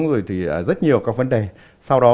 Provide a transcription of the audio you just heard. rồi thì rất nhiều các vấn đề sau đó